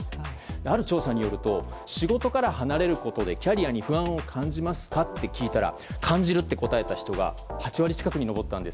ある調査によると仕事から離れることでキャリアに不安を感じますか？と聞いたら感じると答えた人が８割近くに上ったんです。